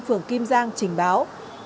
phường kim giang trình báo